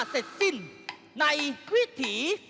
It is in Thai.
เสาคำยันอาวุธิ